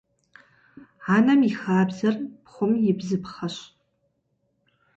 Anem yi xabzer pxhum yi bzıpxheş.